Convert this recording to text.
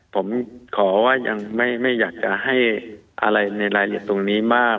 ผมขอว่ายังไม่อยากจะให้อะไรในรายละเอียดตรงนี้มาก